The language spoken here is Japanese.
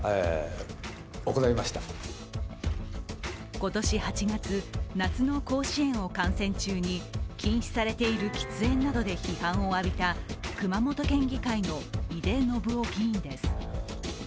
今年８月、夏の甲子園を観戦中に禁止されている喫煙などで批判を浴びた熊本県議会の井手順雄議員です。